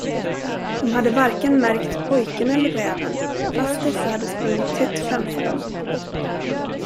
De hade varken märkt pojken eller räven, fast dessa hade sprungit tätt framför dem.